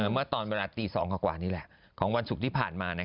เมื่อตอนเวลาตี๒กว่านี่แหละของวันศุกร์ที่ผ่านมา